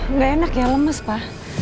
nggak enak ya lemes pak